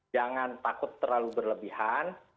jangan takut terlalu berlebihan